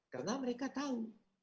karena mereka tahu